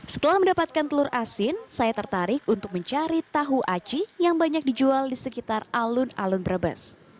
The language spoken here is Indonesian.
setelah mendapatkan telur asin saya tertarik untuk mencari tahu aci yang banyak dijual di sekitar alun alun brebes